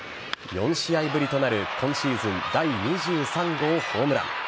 ４試合ぶりとなる今シーズン第２３号ホームラン。